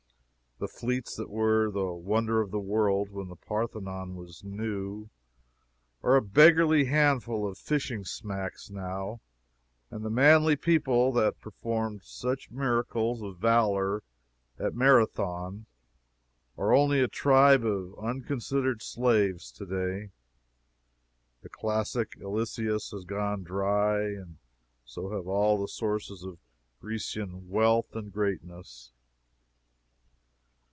The fleets that were the wonder of the world when the Parthenon was new, are a beggarly handful of fishing smacks now, and the manly people that performed such miracles of valor at Marathon are only a tribe of unconsidered slaves to day. The classic Illyssus has gone dry, and so have all the sources of Grecian wealth and greatness.